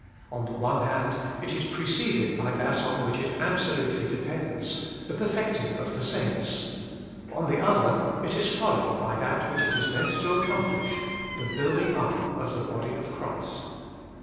On the one hand, it is preceded by that on which it absolutely de pends — the perfecting of the saints. On Working for God 83 the other, it is followed by that which it is meant to accomplish — the building up of the body of Christ.